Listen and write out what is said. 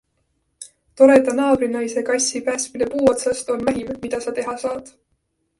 Toreda naabrinaise kassi päästmine puu otsast on vähim, mida sa teha saad.